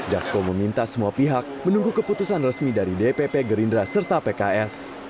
dasko meminta semua pihak menunggu keputusan resmi dari dpp gerindra serta pks